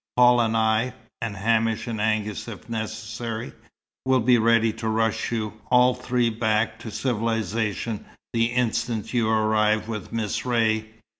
"Paul and I (and Hamish and Angus if necessary) will be ready to rush you all three back to civilization the instant you arrive with Miss Ray.